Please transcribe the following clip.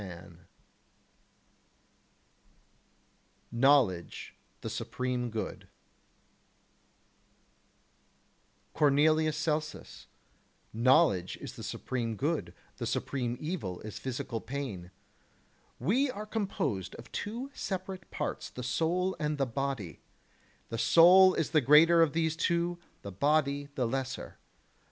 [Sidenote: Knowledge the supreme Good] 14. Cornelius Celsus: Knowledge is the supreme good, the supreme evil is physical pain. We are composed of two separate parts, the soul and the the body; the soul is the greater of these two, the body the lesser.